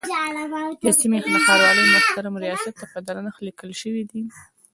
د سیمې د ښاروالۍ محترم ریاست ته په درنښت لیکل شوی دی.